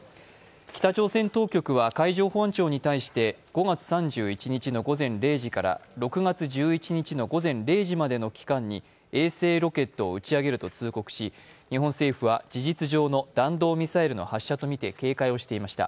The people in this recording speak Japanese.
北朝鮮当局は海上保安庁に対して、５月３１日の午前０時から６月１１日の午前０時までの期間に衛星ロケットを打ち上げると通告し日本政府は事実上の弾道ミサイルの発射とみて警戒をしていました。